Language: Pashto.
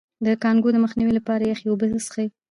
د کانګو د مخنیوي لپاره یخې اوبه وڅښئ